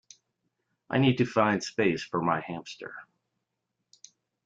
I need to find space for my hamster